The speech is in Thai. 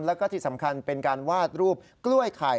แล้วก็ที่สำคัญเป็นการวาดรูปกล้วยไข่